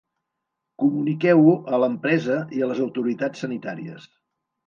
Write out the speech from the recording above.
Comuniqueu-ho a l'empresa i a les autoritats sanitàries.